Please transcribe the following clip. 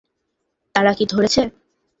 তারা কি ধরেছে?